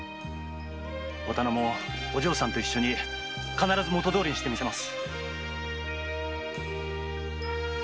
お店もお嬢さんと一緒に必ず元どおりにしてみせます。